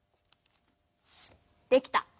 できた。